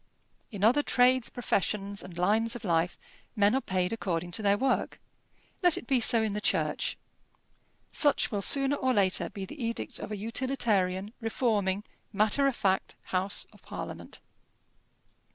In other trades, professions, and lines of life, men are paid according to their work. Let it be so in the Church. Such will sooner or later be the edict of a utilitarian, reforming, matter of fact House of Parliament.